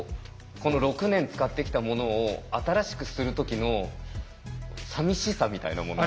この６年使ってきたものを新しくする時のさみしさみたいなもの。